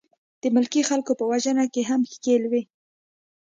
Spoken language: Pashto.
د ملکي خلکو په وژنه کې هم ښکېل وې.